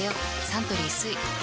サントリー「翠」